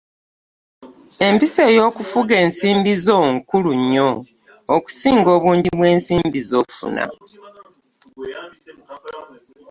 Empisa ey’okufuga ensimbi zo, nkulu nnyo okusinga obungi bw’ensimbi z’ofuna.